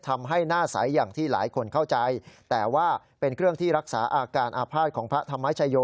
ทำให้หน้าใสอย่างที่หลายคนเข้าใจแต่ว่าเป็นเครื่องที่รักษาอาการอาภาษณ์ของพระธรรมชโย